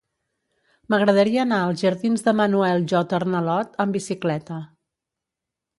M'agradaria anar als jardins de Manuel J. Arnalot amb bicicleta.